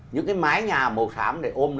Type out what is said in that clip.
những cái mái nhà màu xám để ôm